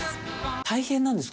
大変なんですか？